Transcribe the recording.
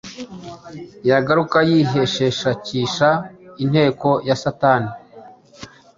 Yaguruka yihisheshakisha inteko ya shitani